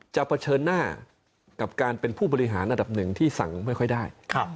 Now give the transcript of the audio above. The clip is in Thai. เผชิญหน้ากับการเป็นผู้บริหารอันดับหนึ่งที่สั่งไม่ค่อยได้